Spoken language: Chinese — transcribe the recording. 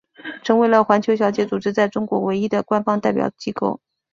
成为了环球小姐组织在中国唯一的官方代表机构。